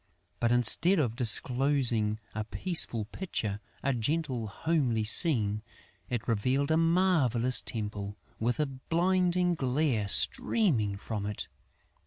But, instead of disclosing a peaceful picture, a gentle, homely scene, it revealed a marvellous temple, with a blinding glare streaming from it.